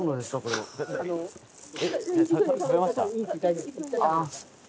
大丈夫。